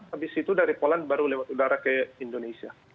habis itu dari polan baru lewat udara ke indonesia